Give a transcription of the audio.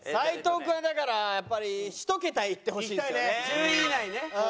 １０位以内。